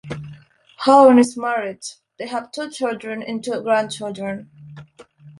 Hawn is married; they have two children, and two grandchildren.